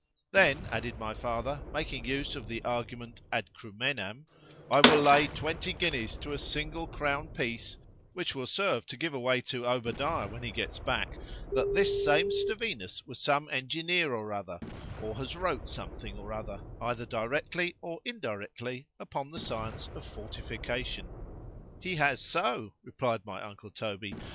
—Then, added my father, making use of the argument Ad Crumenam,—I will lay twenty guineas to a single crown piece (which will serve to give away to Obadiah when he gets back) that this same Stevinus was some engineer or other—or has wrote something or other, either directly or indirectly, upon the science of fortification. He has so,—replied my uncle _Toby.